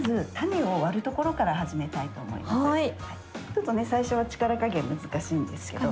ちょっとね最初は力加減難しいんですけど。